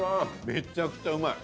めっちゃくちゃうまい。